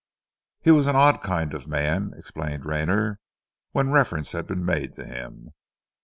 "He was an odd kind of man," explained Rayner, when reference had been made to him.